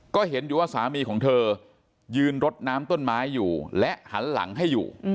ก็เห็นอยู่ว่าสามีของเธอยืนรดน้ำต้นไม้อยู่และหันหลังให้อยู่